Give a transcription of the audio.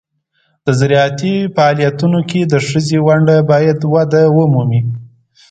د زراعتي فعالیتونو کې د ښځو ونډه باید وده ومومي.